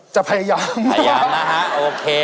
จะพยายามนะครับพยายามนะฮะโอเค